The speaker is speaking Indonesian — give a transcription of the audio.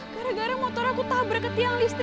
gara gara motor aku tabrak ke tiang listrik